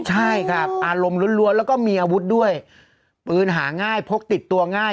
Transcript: ใช่ครับอารมณ์ล้วนแล้วก็มีอาวุธด้วยปืนหาง่ายพกติดตัวง่าย